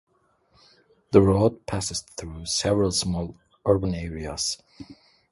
The road also passes through several small urban areas.